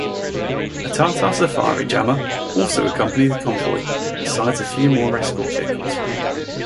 A Tata Safari jammer also accompany the convoy, besides a few more escort vehicles.